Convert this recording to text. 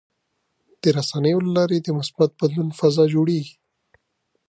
د رسنیو له لارې د مثبت بدلون فضا جوړېږي.